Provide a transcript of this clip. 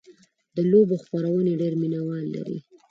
د لوبو خپرونې ډېر مینهوال لري.